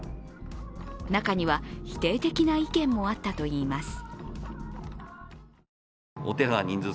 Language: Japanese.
中には否定的な意見もあったといいます。